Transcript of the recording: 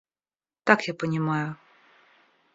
Так я понимаю.